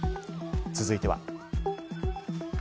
続いては。